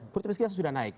produktivitas kita sudah naik